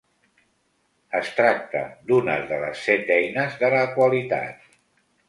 Es tracta d'una de les Set Eines de la Qualitat.